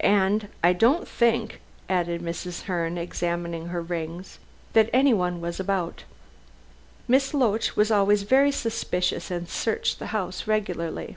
And I don't think," added Mrs. Herne, examining her rings, "that anyone was about. Miss Loach was always very suspicious, and searched the house regularly."